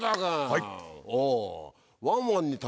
はい。